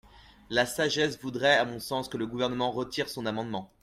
La sagesse voudrait, à mon sens, que le Gouvernement retire son amendement.